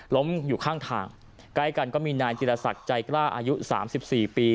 อยู่ข้างทางใกล้กันก็มีนายจิรศักดิ์ใจกล้าอายุ๓๔ปี